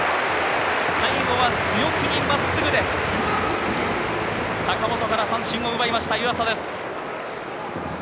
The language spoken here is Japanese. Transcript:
最後は強気に真っすぐで坂本から三振を奪いました、湯浅です。